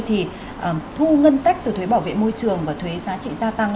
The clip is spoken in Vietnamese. thì thu ngân sách từ thuế bảo vệ môi trường và thuế giá trị gia tăng